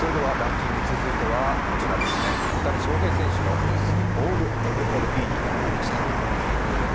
大谷翔平選手のニュース、オールＭＬＢに選ばれました。